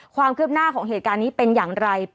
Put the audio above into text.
ความคืบหน้าของเหตุการณ์นี้เป็นอย่างไร